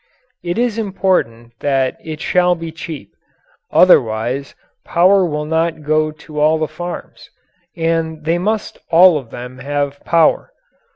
It is important that it shall be cheap. Otherwise power will not go to all the farms. And they must all of them have power.